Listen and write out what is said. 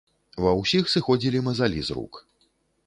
Ва ўсіх сыходзілі мазалі з рук.